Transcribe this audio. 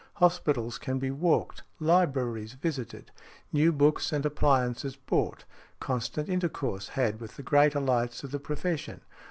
Hospitals can be walked, libraries visited, new books and appliances bought, |60| constant intercourse had with the greater lights of the profession.